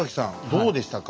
どうでしたか？